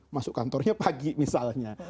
masuk kantornya pagi misalnya